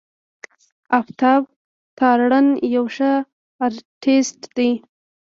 آفتاب تارڼ يو ښه آرټسټ دی.